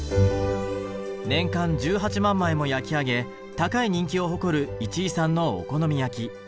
年間１８万枚も焼き上げ高い人気を誇る市居さんのお好み焼き。